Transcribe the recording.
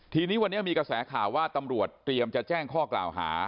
ทีนี้วันนี้มีกระแสข่าวว่าตำรวจเตรียมจะแจ้งข้อกล่าวหา